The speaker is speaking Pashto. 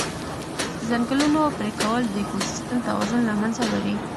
د ځنګلونو پرېکول د اکوسیستم توازن له منځه وړي.